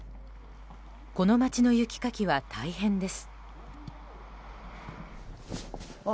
この町の雪かきは大変です。